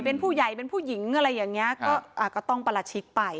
เป็นผู้ใหญ่เป็นผู้หญิงอะไรอย่างนี้ก็ต้องประราชิกไป